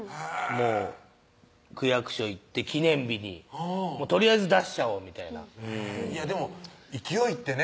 もう区役所行って記念日にとりあえず出しちゃおうみたいないやでも勢いってね